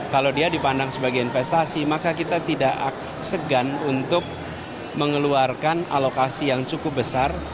kalau dia dipandang sebagai investasi maka kita tidak segan untuk mengeluarkan alokasi yang cukup besar